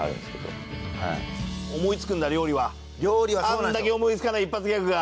あれだけ思いつかない一発ギャグが。